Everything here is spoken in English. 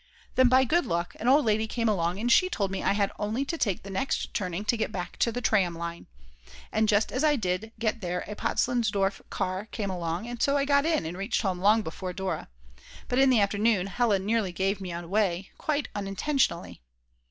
Then by good luck an old lady came along, and she told me I had only to take the next turning to get back to the tram line. And just as I did get there a Potzleinsdorf car came along, so I got in and reached home long before Dora. But in the afternoon Hella nearly gave me away, quite unintentionally.